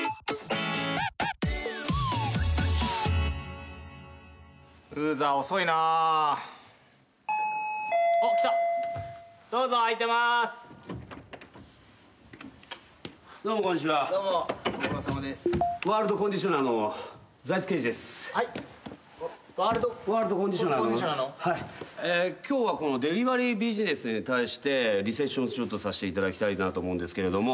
えー今日はこのデリバリービジネスに対してリセッションさしていただきたいなと思うんですけれども。